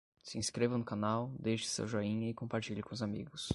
Se inscreva no canal, deixe seu joinha e compartilhe com os amigos